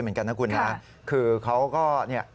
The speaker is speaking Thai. เหมือนกันนะคุณนะคือเขาก็เนี่ย